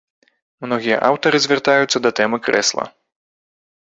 Многія аўтары звяртаюцца да тэмы крэсла.